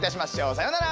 さよなら！